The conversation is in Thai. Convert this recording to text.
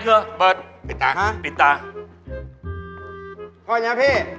โคตรนะพี่โคตรนะ